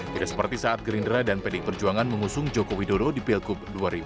tidak seperti saat gerindra dan pdi perjuangan mengusung joko widodo di pilkup dua ribu delapan belas